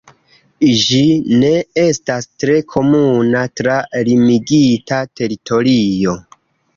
Ĝi ne estas tre komuna tra limigita teritorio.